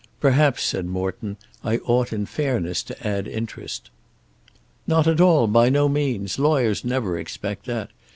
"Perhaps," said Morton, "I ought in fairness to add interest." "Not at all; by no means. Lawyers never expect that.